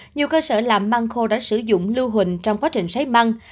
nhiều cơ sở làm măng khô đã sử dụng lưu hùn trong quá trình xấy măng